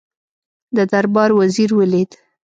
د دربار وزیر ولید.